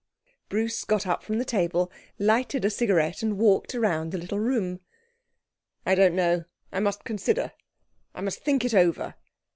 Bruce got up from the table, lighted a cigarette, and walked round the little room. 'I don't know. I must consider. I must think it over.'